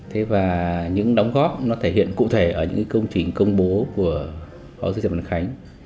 thế và những đóng góp nó thể hiện cụ thể ở những công trình công bố của phó sư trần văn khánh